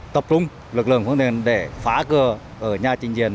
tập trung lực lượng phương tiện để phá cửa ở nhà trình diện